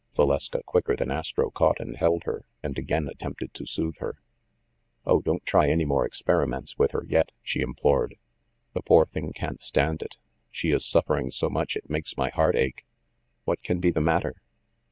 Valeska, quicker than Astro, caught and held her, and again attempted to soothe her. 170 THE MASTER OF MYSTERIES "Oh, don't try any more experiments with her yet !" she implored. "The poor thing can't stand it. She is suffering so that it makes my heart ache. What can be the matter?"